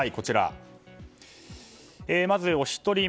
まず、お一人目。